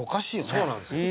そうなんですよ。